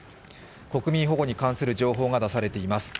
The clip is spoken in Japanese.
国民保護に関する情報が出されています。